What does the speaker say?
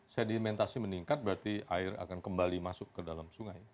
sedimentasi meningkat berarti air akan kembali masuk ke dalam sungai